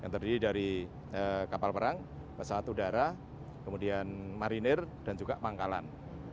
yang terdiri dari kapal perang pesawat udara kemudian marinir dan juga pangkalan